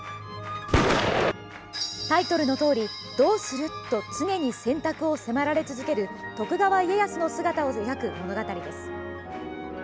タイトルのとおりどうする？と常に選択を迫られ続ける徳川家康の姿を描く物語です。